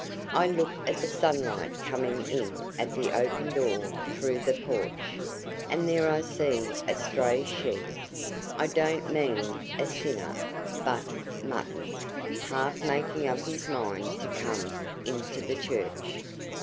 I look at the sunlight coming in at the open door through the porch, and there I see a stray sheep I don't mean a sinner, but mutton half making up his mind to come into the church.